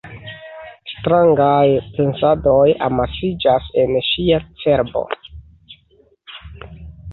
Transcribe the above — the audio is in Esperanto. Strangaj pensadoj amasiĝas en ŝia cerbo.